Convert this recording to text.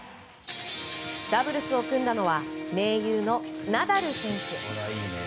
ダブルスを組んだのは盟友のナダル選手。